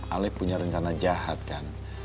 alex punya rencana jahat kan